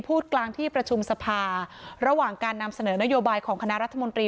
พูดกลางที่ประชุมสภาระหว่างการนำเสนอนโยบายของคณะรัฐมนตรี